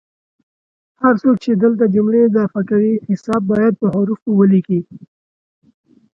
هر څوک چې دلته جملې اضافه کوي حساب باید په حوفو ولیکي